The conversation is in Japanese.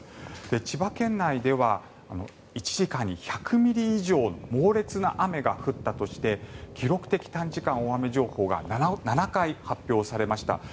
千葉県内では１時間に１００ミリ以上の猛烈な雨が降ったとして記録的短時間大雨情報が７回発表されました。